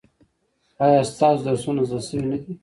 ایا ستاسو درسونه زده شوي نه دي؟